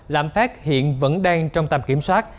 lạm phát hiện vẫn đang trong tầm kiểm soát